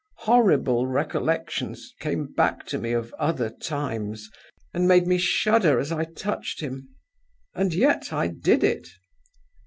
Horrible recollections came back to me of other times, and made me shudder as I touched him. And yet I did it.